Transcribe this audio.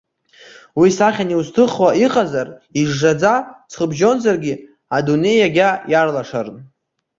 Уи сахьан иузҭыхуа иҟазар, ижжаӡа, ҵхыбжьонзаргьы, адунеи иага иарлашарын.